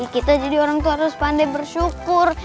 kita jadi orang tua harus pandai bersyukur